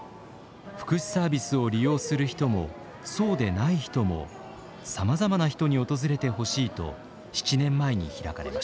福祉サービスを利用する人もそうでない人もさまざまな人に訪れてほしいと７年前に開かれました。